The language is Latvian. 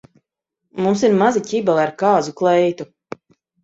Mums ir maza ķibele ar kāzu kleitu.